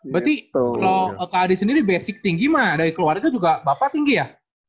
berarti kalau kak adi sendiri basic tinggi dari keluarga juga bapak tinggi ya